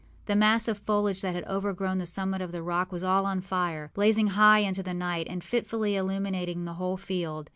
The mass of foliage that had overgrown the summit of the rock was all on fire, blazing high into the night and fitfully illuminating the whole field.